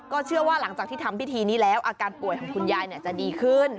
เชื่อว่าหลังจากที่ทำพิธีนี้แล้วอาการป่วยของคุณยายจะดีขึ้น